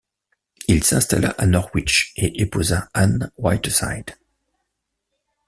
Il s'installa à Norwich et épousa Ann Whiteside.